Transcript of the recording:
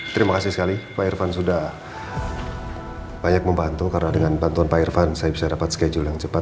terima kasih sekali pak irfan sudah banyak membantu karena dengan bantuan pak irfan saya bisa dapat schedule yang cepat